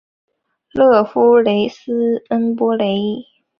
勒夫雷斯恩波雷。